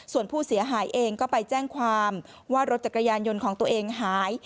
ส่วนผู้เสียหายเองก็ไปแจ้งความว่ารถจักรยานยนต์ของตัวเองหาย